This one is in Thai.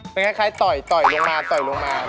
เป็นคล้ายต่อยต่อยลงมาต่อยลงมา